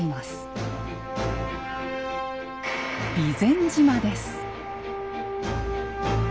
「備前島」です。